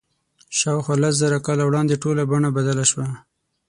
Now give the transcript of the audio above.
شاوخوا لس زره کاله وړاندې ټوله بڼه بدله شوه.